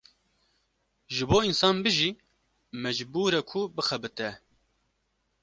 Ji bo însan bijî mecbûre ku bixebite.